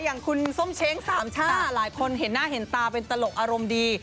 อย่างคุณส้มเช้งสามช่าหลายคนเห็นหน้าเห็นตาเป็นตลกอารมณ์ดี